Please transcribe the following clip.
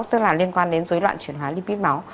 tức là liên quan đến dối loạn chuyển hóa lipid máu